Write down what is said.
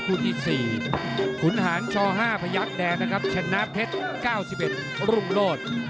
คู่ที่สี่ขุนหาญชอห้าพยักษ์แดงนะครับชนะเพชร๙๑รุ่มโลศ